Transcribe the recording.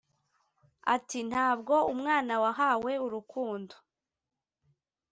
Ati “Ntabwo umwana wahawe urukundo